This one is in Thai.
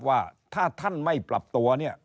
ว่าถ้าท่านไม่ปรับตัว